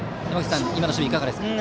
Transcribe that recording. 今の守備いかがですか？